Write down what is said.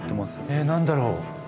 え何だろう？